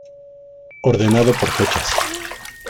Ordenado por Fechas